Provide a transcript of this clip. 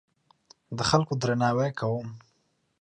د خلکو درناوی کوم.